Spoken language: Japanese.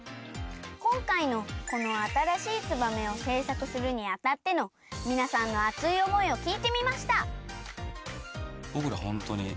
こんかいのこのあたらしい「ツバメ」をせいさくするにあたってのみなさんの熱い思いをきいてみました。